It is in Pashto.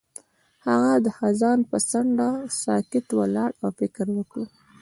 هغه د خزان پر څنډه ساکت ولاړ او فکر وکړ.